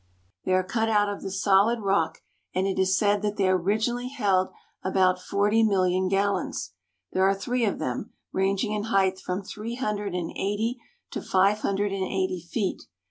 They are cut out of the solid rock, and it is said that they originally held about forty million gallons. There are three of them, ranging in height from three hundred and eighty to five hundred and eighty feet.